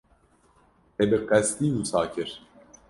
Te bi qesdî wisa kir?